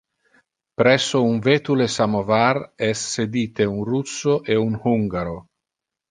Presso un vetule samovar es sedite un russo e un hungaro.